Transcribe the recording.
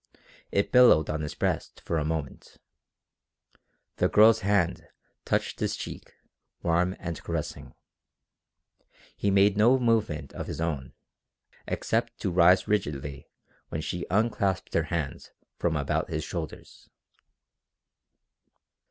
It billowed on his breast for a moment. The girl's hand touched his cheek, warm and caressing. He made no movement of his own, except to rise rigidly when she unclasped her arms from about his shoulders.